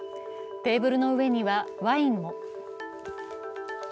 テーブルの上にはワインも。